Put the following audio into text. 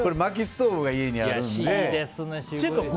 まきストーブが家にあるので。